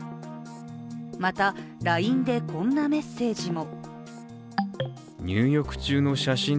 またＬＩＮＥでこんなメッセージも。